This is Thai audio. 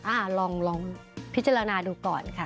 อ่าลองพิจารณาดูก่อนค่ะ